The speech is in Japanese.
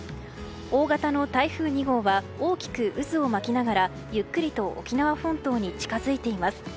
大型の台風２号は大きく渦を巻きながらゆっくりと沖縄本島に近づいています。